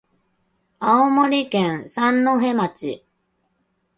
青森県三戸町